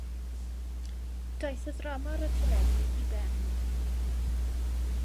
Daeth y ddrama ar y teledu i ben.